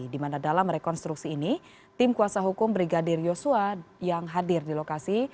di mana dalam rekonstruksi ini tim kuasa hukum brigadir yosua yang hadir di lokasi